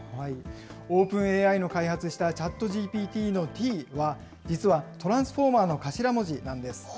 オープンＡＩの開発したＣｈａｔＧＰＴのＴは、実はトランスフォーマーの頭文字なんです。